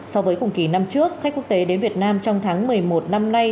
so với cùng kỳ năm trước khách quốc tế đến việt nam trong tháng một mươi một năm nay